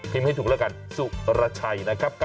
พิมพ์ให้ถูกแล้วกันสุรชัย๙๔๕